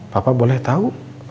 papa boleh tau